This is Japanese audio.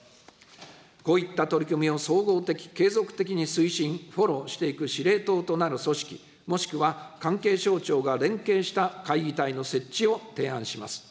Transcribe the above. こういった取り組みを総合的、継続的に推進、フォローしていく司令塔となる組織、もしくは関係省庁が連携した会議体の設置を提案します。